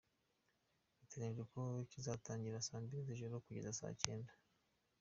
Biteganyijwe ko kizatangira saa mbili z’ijoro kugeza bucyeye.